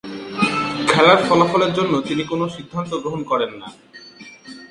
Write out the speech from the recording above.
খেলার ফলাফলের জন্য তিনি কোন সিদ্ধান্ত গ্রহণ করেন না।